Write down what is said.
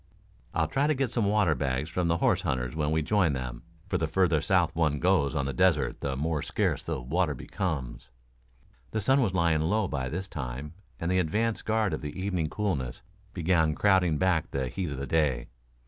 "I'll try to get some water bags from the horse hunters when we join them; for the further south one goes on the desert the more scarce the water becomes." The sun was lying low by this time and the advance guard of the evening coolness began crowding back the heat of the day.